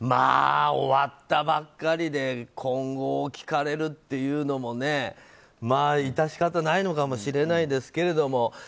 終わったばっかりで今後を聞かれるというのものね致し方ないのかもしれないですけれども。